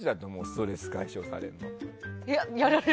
ストレス解消されるのは。